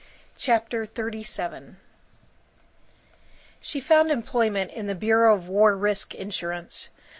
CHAPTER XXXVII I SHE found employment in the Bureau of War Risk Insurance.